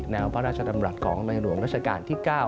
พระราชดำรัฐของในหลวงราชการที่๙